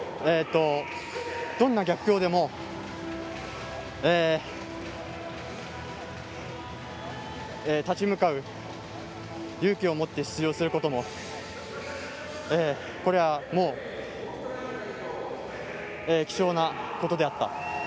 どんな逆境でも立ち向かう勇気を持って出場することもこれは、貴重なことであった。